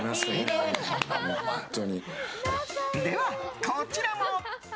では、こちらも。